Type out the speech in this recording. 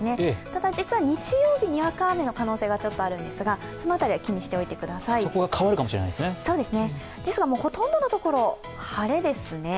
ただ、実は日曜日ににわか雨の可能性がちょっとあるのですが、その辺りは気にしておいてください、ですがほとんどのところ、晴れですね。